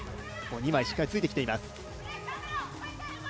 二枚、しっかりついてきています。